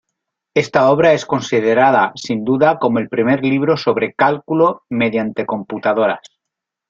Esta obra es considerada sin duda como el primer libro sobre cálculo mediante computadoras.